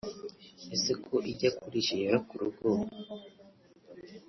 *Ese ko ijya kurisha ihera ku rugo